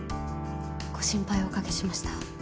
ご心配おかけしました。